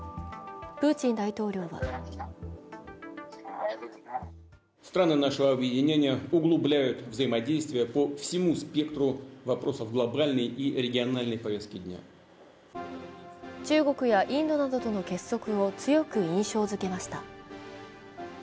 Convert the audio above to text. プーチン大統領は中国やインドなどとの結束を強く印象づけました。